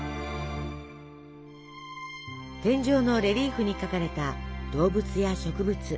天井のレリーフに描かれた動物や植物。